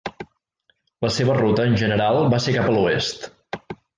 La seva ruta en general va ser cap a l'oest.